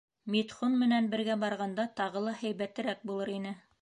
Митхун менән бергә барғанда тағы ла һәйбәтерәк булыр ине.